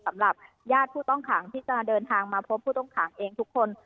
สำหรับญาติผู้ต้องขังที่จะเดินทางมาพบผู้ต้องขังเองทุกคน